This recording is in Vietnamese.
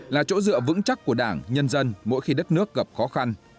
là chỗ dựa vững chắc của đảng nhân dân mỗi khi đất nước gặp khó khăn